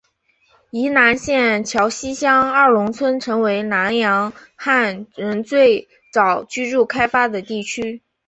宜兰县礁溪乡二龙村成为兰阳汉人最早居住开发的地区。